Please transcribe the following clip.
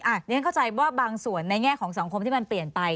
อันนี้ฉันเข้าใจว่าบางส่วนในแง่ของสังคมที่มันเปลี่ยนไป